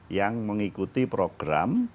yang mengikuti program